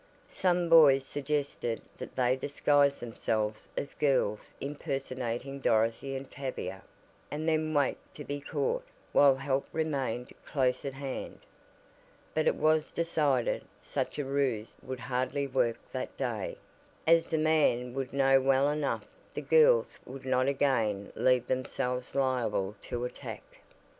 Some boys suggested that they disguise themselves as girls impersonating Dorothy and Tavia, and then wait to be "caught" while help remained close at hand. But it was decided such a ruse would hardly work that day, as the man would know well enough the girls would not again leave themselves liable to attack.